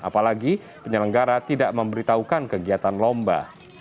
apalagi penyelenggara tidak memberitahukan kegiatan lomba